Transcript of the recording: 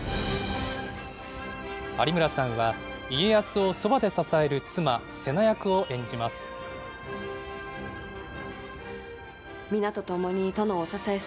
有村さんは家康をそばで支える妻、瀬名役を演じます。